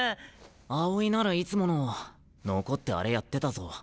青井ならいつもの残ってあれやってたぞ。